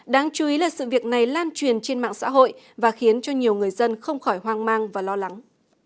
đáng chú ý là sự việc này lan truyền trên mạng xã hội và khiến cho nhiều người dân không khỏi hoang mang và lo lắng